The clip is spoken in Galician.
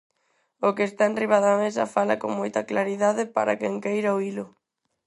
O que está enriba da mesa fala con moita claridade para quen queira oílo.